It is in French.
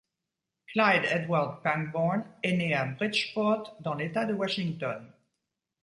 Clyde Edward Pangborn est né à Bridgeport dans l'état de Washington.